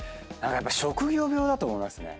やっぱ職業病だと思いますね。